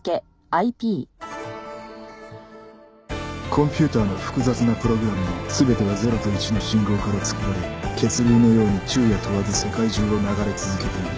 コンピューターの複雑なプログラムは全てが０と１の信号から作られ血流のように昼夜問わず世界中を流れ続けている